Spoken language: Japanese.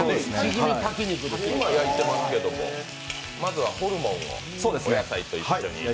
肉は焼いてますけども、まずはホルモンをお野菜と一緒に。